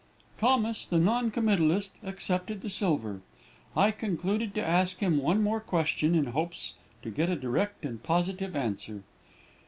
"Thomas, the non committalist, accepted the silver. "I concluded to ask him one more question, in hopes to get a direct and positive answer.